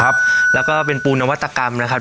แล้วก็เป็นปูนนวัตกรรมนะครับ